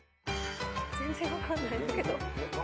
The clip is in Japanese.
全然分かんないんだけど。